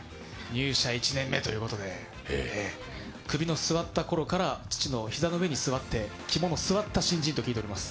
入社１年目ということで、首の据わった頃から父の膝の上に座って、肝も座った新人だと聞いております。